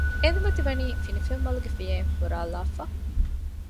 އެނދުމަތީ ވަނީ ފިނިފެންމަލުގެ ފިޔައިން ފުރާލާފަ